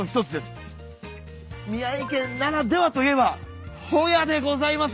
宮城県ならではといえばホヤでございます！